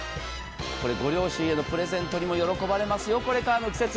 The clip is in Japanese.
ご両親へのプレゼントでも喜ばれますよ、これからの季節。